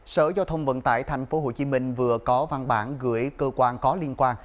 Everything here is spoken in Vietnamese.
sở giao thông vận tải tp hcm vừa có văn bản gửi cơ quan có liên quan